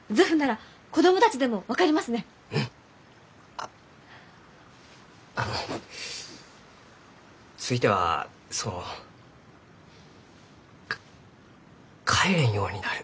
ああのついてはそのか帰れんようになる。